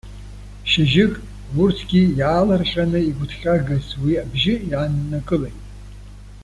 Шьыжьык, урҭгьы иаалырҟьаны игәыҭҟьагаз уи абжьы иааннакылеит.